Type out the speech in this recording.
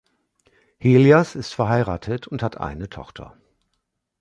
Helias ist verheiratet und hat eine Tochter.